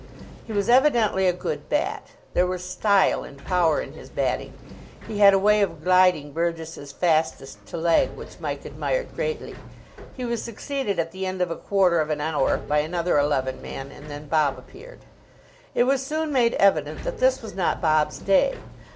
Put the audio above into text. He was evidently a good bat. There was style and power in his batting. He had a way of gliding Burgess's fastest to leg which Mike admired greatly. He was succeeded at the end of a quarter of an hour by another eleven man, and then Bob appeared. It was soon made evident that this was not Bob's day.